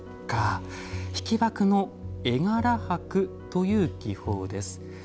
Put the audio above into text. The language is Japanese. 引箔の「絵柄箔」という技法です。